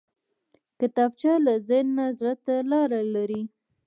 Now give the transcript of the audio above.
کتابچه له ذهن نه زړه ته لاره لري